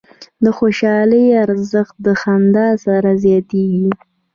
د خوشحالۍ ارزښت د خندا سره زیاتېږي.